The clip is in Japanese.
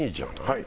はい。